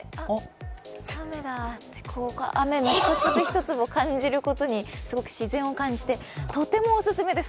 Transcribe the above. あ、雨だ、って雨の一粒一粒を感じることにすごく自然を感じて、とてもオススメです。